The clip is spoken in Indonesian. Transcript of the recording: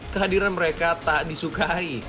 kehadiran mereka tak disukai